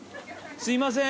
すいません。